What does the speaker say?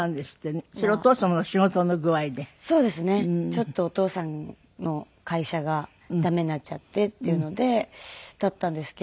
ちょっとお父さんの会社が駄目になっちゃってっていうのでだったんですけど。